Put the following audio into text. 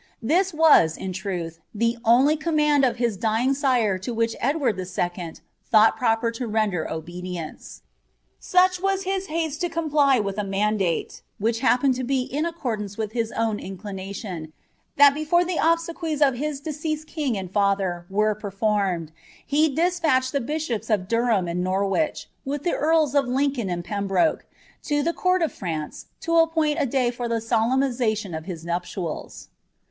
This was, in truth, the only command of hia dying aire to which Edward II. thought proper to render obedience. Such was his haate to comply with a mandate whicli happened to be in accordance with bis own inclinatioo, tliat before the obsequies rtf his dee«a9n! kine; and father were performed, he dispatched the bishops of Durluuo and Norwicli, witli the earls of Lincoln and Pembroke, to the court of France, to appoint a day foi the solemnization of his nuptials.